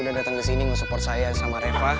udah datang ke sini ngesupport saya sama reva